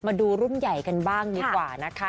มาดูรุ่นใหญ่กันบ้างดีกว่านะคะ